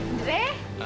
kamu udah samperin dewi